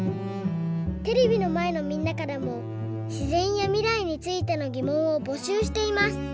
テレビのまえのみんなからもしぜんやみらいについてのぎもんをぼしゅうしています。